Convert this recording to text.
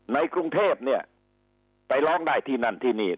ในกรุงเทพเนี่ยไปร้องได้ที่นั่นที่นี่